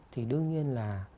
thì đương nhiên là